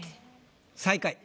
最下位。